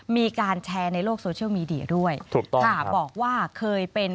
มีการแชร์ในโลกโซเชียลมีเดียด้วย